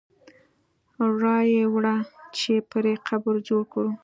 را یې وړه چې پرې قبر جوړ کړو.